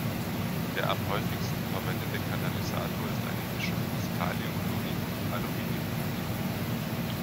Der am häufigsten verwendete Katalysator ist eine Mischung aus Kaliumchlorid und Aluminiumchlorid.